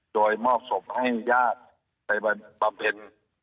โดยมอบสมให้ยากไปประเภน